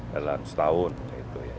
dalam setahun gitu ya